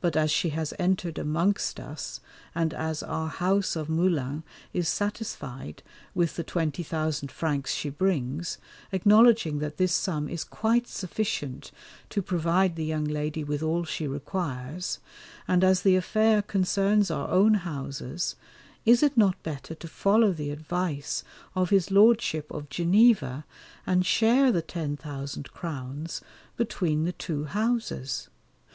But as she has entered amongst us, and as our house of Moulins is satisfied with the twenty thousand francs she brings, acknowledging that this sum is quite sufficient to provide the young lady with all she requires, and as the affair concerns our own houses, is it not better to follow the advice of his Lordship of Geneva and share the ten thousand crowns between the two houses?